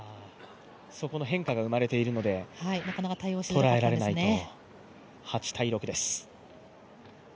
そこの変化が生まれているのでとらえられないと。